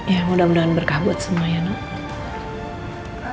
ya mudah mudahan berkah buat semua ya nak